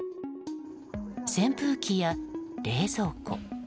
扇風機や冷蔵庫。